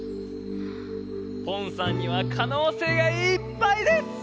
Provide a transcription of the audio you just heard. ポンさんにはかのうせいがいっぱいです！